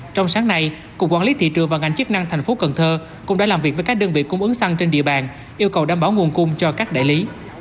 trong sáng nay cục quản lý thị trường và ngành chức năng thành phố cần thơ cũng đã làm việc với các đơn vị cung ứng xăng trên địa bàn yêu cầu đảm bảo nguồn cung cho các đại lý